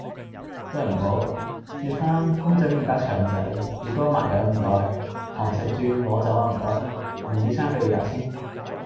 都係唔好，轉返公仔麵加腸仔要多麻油呀唔該，堂食轉攞走呀唔該，唔要餐具要牙籤